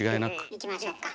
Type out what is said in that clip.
いきましょうか。